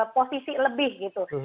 posisi lebih gitu